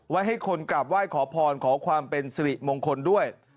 ให้คนกราบไหว้ขอพรขอความเป็นสิริมงคลด้วย